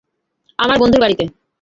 আমার বন্ধুর বাড়িতে।